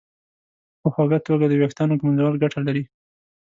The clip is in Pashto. په خوږه توګه د ویښتانو ږمنځول ګټه لري.